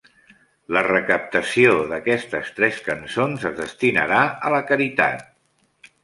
La recaptació d'aquestes tres cançons es destinarà a la caritat.